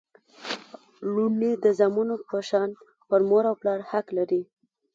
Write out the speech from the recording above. لوڼي د زامنو په شان پر مور او پلار حق لري